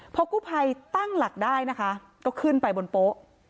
พอกู้ภัยตั้งหลักได้นะคะก็ขึ้นไปบนโป๊ะ